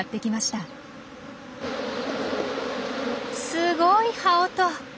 すごい羽音！